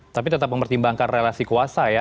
tapi tetap mempertimbangkan relasi kuasa ya